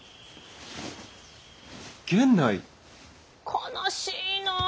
悲しいなぁ。